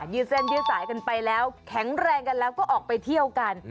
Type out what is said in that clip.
ืดเส้นยืดสายกันไปแล้วแข็งแรงกันแล้วก็ออกไปเที่ยวกัน